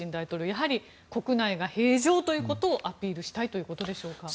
やはり国内が平常ということをアピールしたいということでしょうか。